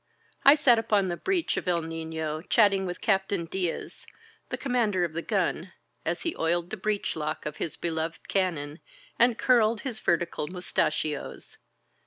I sat upon the breech of *^£1 Nino," chatting with Cap tain Diaz, the commander of the gun, as he oiled the breech lock of his beloved cannon and curled his verti cal mustachios.